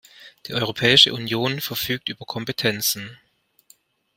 Die Europäische Union verfügt über Kompetenzen.